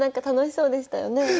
楽しそうでしたよね。